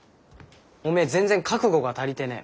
おめえ全然覚悟が足りてねえ。